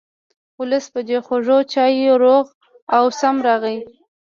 ولس په دې خوږو چایو روغ او سم راغی.